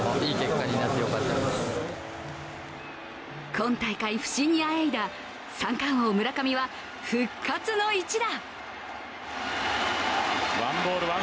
今大会、不振にあえいだ三冠王、村上は復活の一打。